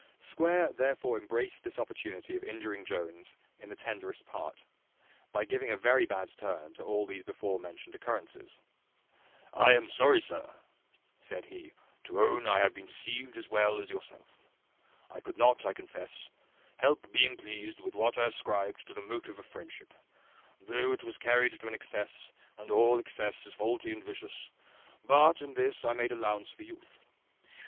Square therefore embraced this opportunity of injuring Jones in the tenderest part, by giving a very bad turn to all these before mentioned occurrences. "I am sorry, sir," said he, "to own I have been deceived as well as yourself. I could not, I confess, help being pleased with what I ascribed to the motive of friendship, though it was carried to an excess, and all excess is faulty and vicious: but in this I made allowance for youth.